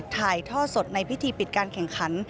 ถ่ายท่อสดในพิธีปิดการแข่งขัน